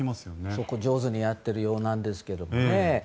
そこを上手にやってるようなんですけどね。